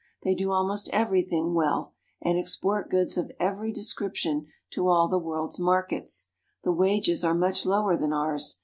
They do almost everything well, and export goods of every de scription to all the world's markets. The wages are much lower than ours.